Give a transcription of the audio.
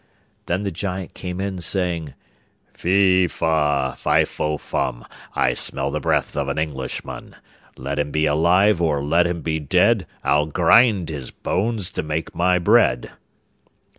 Then the Giant came in saying: 'Fe, fa, fi fo fum, I smell the breath of an Englishman. Let him be alive or let him be dead, I'll grind his bones to make my bread.